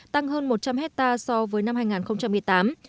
tăng hơn một trăm linh hectare so với năm hai nghìn một mươi tám